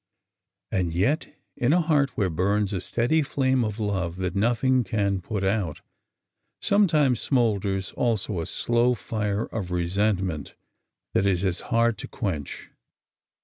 '' And yet in a heart where burns a steady flame of love that nothing can put out, sometimes smolders also a slow fire of resentment that is as hard to quench.